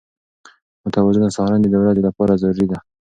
متوازنه سهارنۍ د ورځې لپاره ضروري ده.